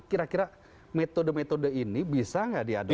kira kira metode metode ini bisa tidak diadopsi